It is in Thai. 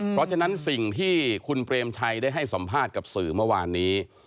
เพราะฉะนั้นสิ่งที่คุณเปรมชัยได้ให้สัมภาษณ์กับสื่อเมื่อวานนี้